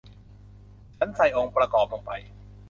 ฉันใส่องค์ประกอบลงไป